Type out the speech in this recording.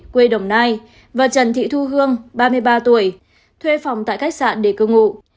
quê đồng nai và trần thị thu hương ba mươi ba tuổi thuê phòng tại khách sạn để cư ngụ